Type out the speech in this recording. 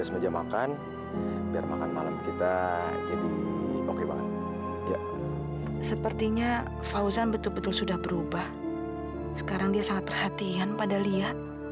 sampai jumpa di video selanjutnya